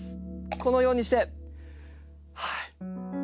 このようにしてはい。